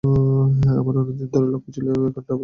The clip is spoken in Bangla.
আমার অনেক দিন ধরেই লক্ষ্য ছিল একটা ডাবল সেঞ্চুরি করা।